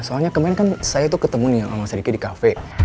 soalnya kemarin kan saya tuh ketemu nih sama mas riki di cafe